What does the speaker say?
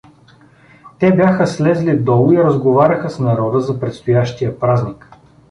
Те бяха слезли долу и разговаряха с народа за предстоящия празник.